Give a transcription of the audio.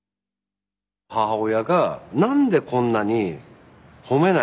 母親が何でこんなに褒めないのかなって。